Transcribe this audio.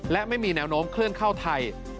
และไม่มีแนวโน้มเคลื่อนเข้าไทย